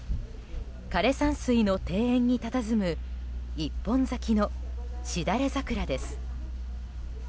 枯山水の庭園にたたずむ一本咲きのしだれ桜です。